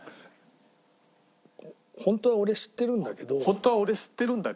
本当は俺知ってるんだけど。